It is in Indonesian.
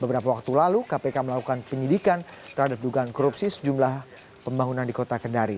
beberapa waktu lalu kpk melakukan penyidikan terhadap dugaan korupsi sejumlah pembangunan di kota kendari